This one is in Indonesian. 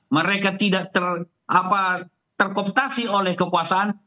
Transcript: mereka tidak terkooptasi oleh kekuasaan